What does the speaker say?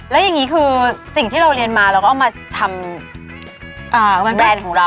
แล้วอย่างนี้คือสิ่งที่เราเรียนมาเราก็เอามาทำแบรนด์ของเรา